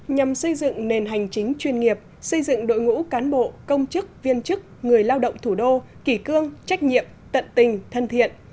nhằm xây dựng nền hành chính chuyên nghiệp xây dựng đội ngũ cán bộ công chức viên chức người lao động thủ đô kỷ cương trách nhiệm tận tình thân thiện